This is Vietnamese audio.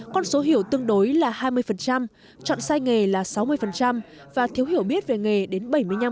con số hiểu tương đối là hai mươi chọn sai nghề là sáu mươi và thiếu hiểu biết về nghề đến bảy mươi năm